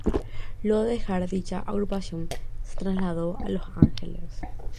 Luego de dejar dicha agrupación, se trasladó a Los Angeles.